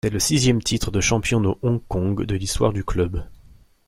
C'est le sixième titre de champion de Hong Kong de l'histoire du club.